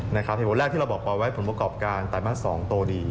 เหตุผลแรกที่เราบอกปอไว้ผลประกอบการไตรมาส๒โตดี